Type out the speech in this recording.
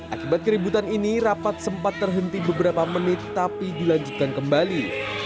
akibat keributan ini rapat sempat terhenti beberapa menit tapi dilanjutkan kembali